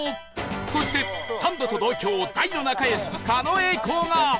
そしてサンドと同郷大の仲良し狩野英孝が